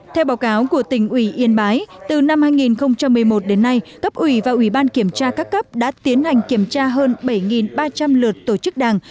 theo báo cáo của tỉnh ủy yên bái từ năm hai nghìn một mươi một đến nay cấp ủy và ủy ban kiểm tra các cấp đã tiến hành kiểm tra hơn bảy ba trăm linh lượt tổ chức đảng